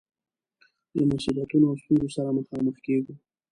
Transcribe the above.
له مصیبتونو او ستونزو سره مخامخ کيږو.